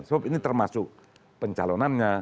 sebab ini termasuk pencalonannya